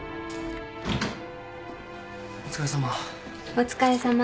お疲れさま。